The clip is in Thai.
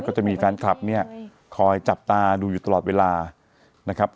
ก็จะมีแฟนคลับเนี่ยคอยจับตาดูอยู่ตลอดเวลานะครับ